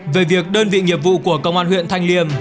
về việc đơn vị nghiệp vụ của công an huyện thanh liêm